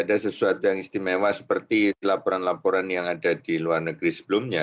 ada sesuatu yang istimewa seperti laporan laporan yang ada di luar negeri sebelumnya